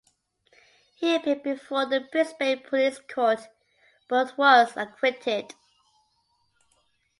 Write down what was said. He appeared before the Brisbane Police Court but was acquitted.